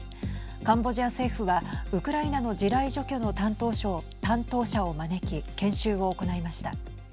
カンボジア政府はウクライナの地雷除去の担当者を招き研修を行いました。